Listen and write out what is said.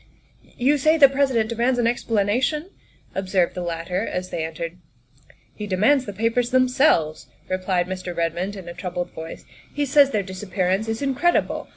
" You say the President demands an explanation?" observed the latter as they entered. " He demands the papers themselves," replied Mr. Redmond in a troubled voice ; "he says their disap pearance is incredible.